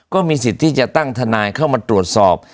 ก็มีสิทธิจะตั้งทนายเข้ามาดูสอบ